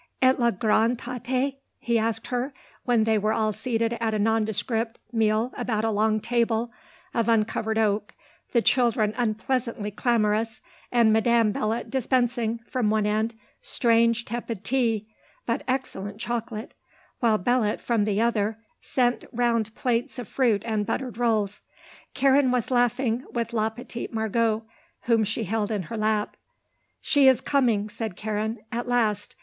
"Et la grande Tante?" he asked her, when they were all seated at a nondescript meal about a long table of uncovered oak, the children unpleasantly clamorous and Madame Belot dispensing, from one end, strange, tepid tea, but excellent chocolate, while Belot, from the other, sent round plates of fruit and buttered rolls. Karen was laughing with la petite Margot, whom she held in her lap. "She is coming," said Karen. "At last.